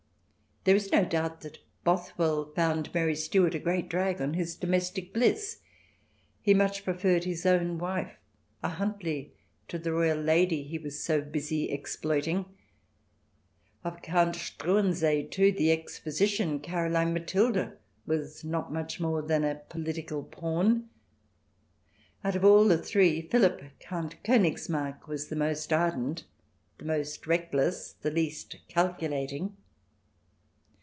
There is no doubt that Bothwell found Mary Stuart a great drag on his domestic bliss ; he much preferred his own wife, a Huntley, to the royal lady he was so busily exploiting. Of Count Struensee, too, the ex physician, Caroline Matilda was not much more than a political pawn. Out of CH. xvii] QUEENS DISCROWNED 227 all the three Philip, Count Konigsmarck, was the most ardent, the most reckless, the least calculating.